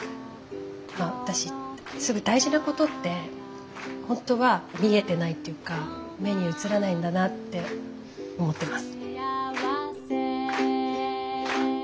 私大事なことって本当は見えてないっていうか目に映らないんだなって思ってます。